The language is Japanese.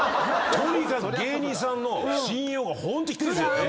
とにかく芸人さんの信用がホント低いんです。